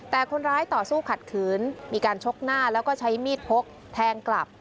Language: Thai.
แต่คนร้ายต่อสู้ขัดขืนมีการชกหน้าแล้วก็ใช้มีดพกแทงกลับ